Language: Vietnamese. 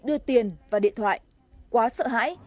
đưa tiền và điện thoại quá sợ hãi